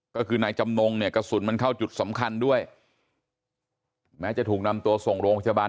ก็คือนายจำนงเนี่ยกระสุนมันเข้าจุดสำคัญด้วยแม้จะถูกนำตัวส่งโรงพยาบาล